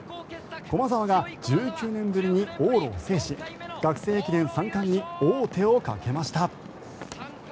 駒澤が１９年ぶりに往路を制し学生駅伝３冠に王手をかけました。